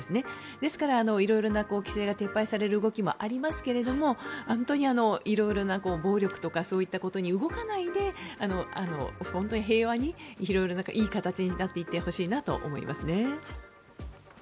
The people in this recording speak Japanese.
ですから色々な規制が撤廃される動きもありますが色々な暴力とかそういったことに動かないで平和にいい形になっていってほしいなと思いますね。